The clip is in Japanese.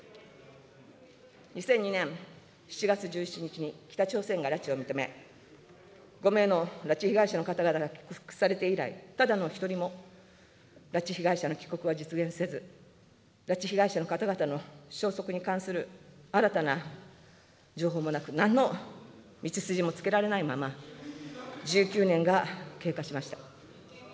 ２００２年７月１７日に北朝鮮が拉致を認め、５名の拉致被害者の方々が帰国されて以来、ただの一人も拉致被害者の帰国は実現せず、拉致被害者の方々の消息に関する新たな情報もなく、なんの道筋もつけられないまま、１９年が経過しました。